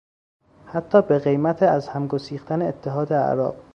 حتی به قیمت از هم گسیختن اتحاد اعراب